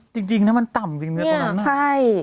จริงมันต่ำจริงตรงนั้น